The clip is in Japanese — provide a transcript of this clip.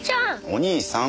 お兄さん。